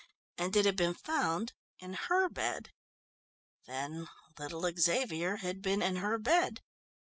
and it had been found in her bed! Then little Xavier had been in her bed!